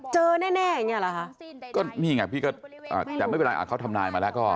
เจอแน่อย่างเงี้เหรอคะก็นี่ไงพี่ก็แต่ไม่เป็นไรเขาทำนายมาแล้วก็